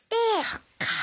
そっか。